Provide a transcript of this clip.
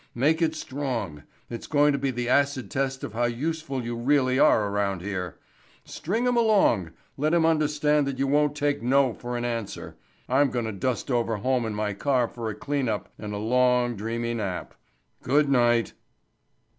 Make it strong. It's going to be the acid test of how useful you really are around here. String 'em along. Let 'em understand that you won't take 'no' for an answer. I'm going to dust over home in my car for a clean up and a long, dreamy nap. Goodnight."